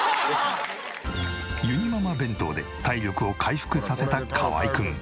ゆにママ弁当で体力を回復させた河合くん。